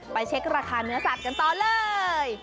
เช็คราคาเนื้อสัตว์กันต่อเลย